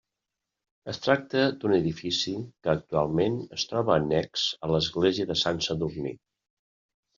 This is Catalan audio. Es tracta d'un edifici que actualment es troba annex a l'església de Sant Sadurní.